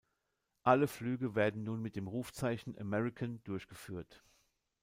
Alle Flüge werden nun mit dem Rufzeichen "American" durchgeführt.